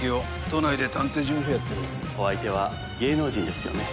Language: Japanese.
都内で探偵事務所をやってるお相手は芸能人ですよね？